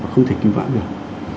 không thể cứu mãn được